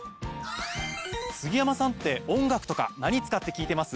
杉山さんって音楽とか何使って聞いてます？